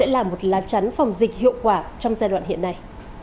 là một lá chắn phòng dịch hiệu quả trong giai đoạn hiện nay